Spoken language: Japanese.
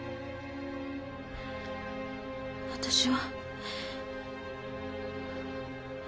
私は。